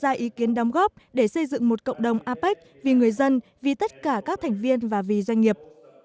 và đã đưa ra ý kiến đóng góp để xây dựng một cộng đồng apec vì người dân vì tất cả các thành viên và vì doanh nghiệp